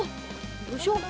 よいしょ。